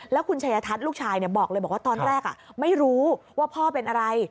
แล้วคุณชัยทัศน์ลูกชายบอกเลยบอกว่าตอนแรกไม่รู้ว่าพ่อเป็นอะไร